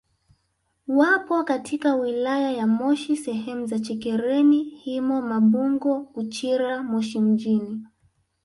Wapo katika wilaya ya Moshi sehemu za Chekereni Himo Mabungo Uchira Moshi mjini